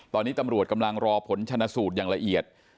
ตอนนี้ตำรวจกำลังรอผลชนะสูตรอย่างละเอียด